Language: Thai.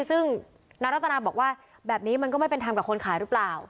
ซึ่งนรรษฎราบอกว่าแบบนี้มันก็ไม่เป็นทางกับคนขายรึเปล่า